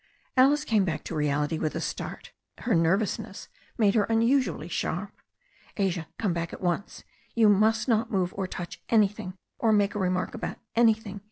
Alice came back to reality with a start. Her nervousness made her unusually sharp. "Asia, come back at once. You must not move, or touch anything, or make a remark about anything.